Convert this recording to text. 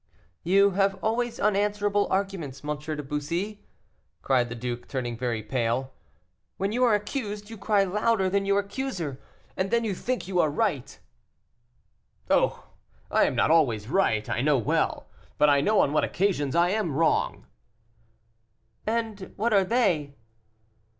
"You have always unanswerable arguments, M. de Bussy," cried the duke, turning very pale; "when you are accused, you cry louder than your accuser, and then you think you are right." "Oh! I am not always right, I know well, but I know on what occasions I am wrong." "And what are they?"